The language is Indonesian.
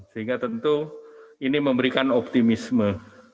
sehingga tentu ini memberikan optimisme